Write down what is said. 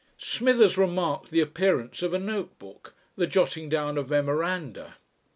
Smithers remarked the appearance of a note book, the jotting down of memoranda.